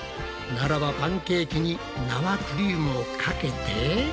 ならばパンケーキに生クリームをかけて。